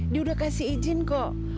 dia udah kasih izin kok